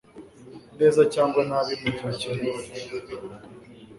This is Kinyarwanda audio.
neza cyangwa nabi mu gihe kiri imbere